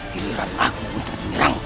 giliran aku untuk menyerang